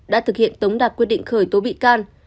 đã thực hiện tống đạt quyết định khởi tố bị can